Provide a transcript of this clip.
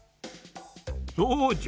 そうじゃ。